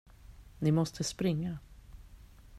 Ni måste springa.